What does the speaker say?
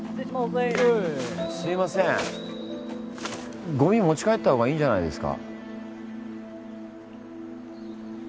すいませんごみ持ち帰ったほうがいいんじゃないですか？